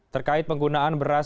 terkait penggunaan beras